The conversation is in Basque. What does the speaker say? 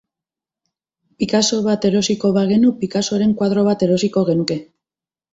Picasso bat erosiko bagenu, Picassoren koadro bat erosiko genuke.